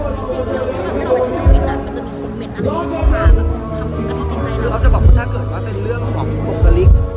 จริงเราก็จะบอกว่าถ้าเกิดว่าเป็นเรื่องของคุณภรริก